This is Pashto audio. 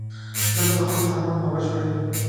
ژبه د خلکو ترمنځ باور جوړوي